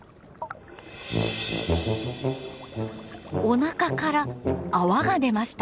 おなかから泡が出ました。